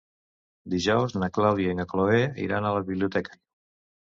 Dijous na Clàudia i na Cloè iran a la biblioteca.